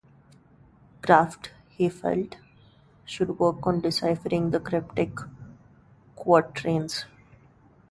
Krafft, he felt, should work on deciphering the cryptic quatrains.